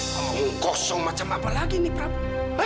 kamu kosong macam apa lagi nih prabu